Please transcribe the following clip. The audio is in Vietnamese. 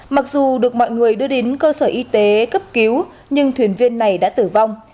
mặc dù được mọi người đưa đến cơ sở y tế cấp cứu nhưng thuyền viên này đã tử vong